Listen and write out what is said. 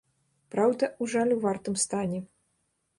Праўда, у жалю вартым стане.